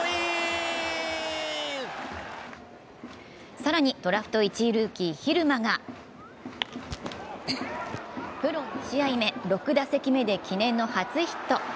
更に、ドラフト１位ルーキー・蛭間がプロ２試合目、６打席目で記念の初ヒット。